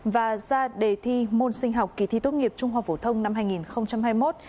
và ra đề thi môn sinh học kỳ thi tốt nghiệp trung học phổ thông năm hai nghìn hai mươi một